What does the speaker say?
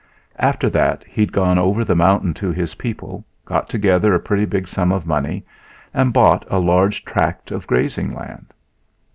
After that he had gone over the mountain to his people, got together a pretty big sum of money and bought a large tract of grazing land.